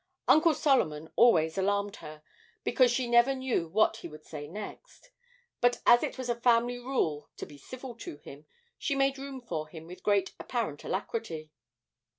Uncle Solomon always alarmed her because she never knew what he would say next; but as it was a family rule to be civil to him, she made room for him with great apparent alacrity.